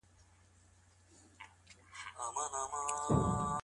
تاسو باید د انسانیت په لاره کې ګام واخلئ.